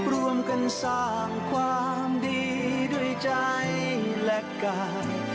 รวมกันสร้างความดีด้วยใจและกาย